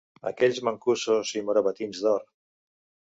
Aquells mancusos i morabatins d'or